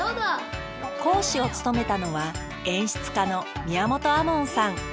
講師を務めたのは演出家の宮本亞門さん。